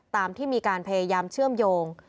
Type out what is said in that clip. ตามที่มีการพยายามเชื่อมโยง